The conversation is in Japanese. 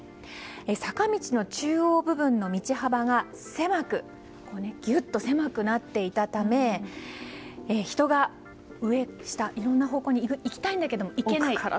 坂道の中央部分の道幅がギュッと狭くなっていたため人が上、下、いろんな方向に行きたいんだけど行けない。